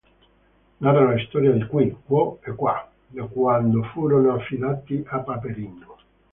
Narra la storia di Qui, Quo e Qua da quando furono affidati a Paperino.